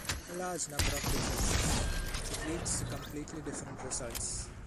A large number of differences! It leads to completely different results.